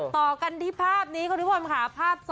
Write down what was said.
ต่อกันที่ภาพนี้คุณผู้ชมค่ะ